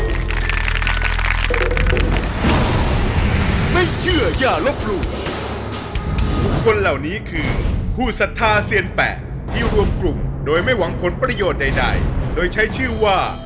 ทุกคนเหล่านี้คือผู้สถาเซียนแปะที่รวมกลุ่มโดยไม่หวังผลประโยชน์ใดโดยใช้ชื่อว่า